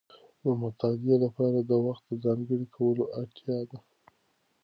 د مطالعې لپاره د وخت ځانګړی کولو اړتیا ده.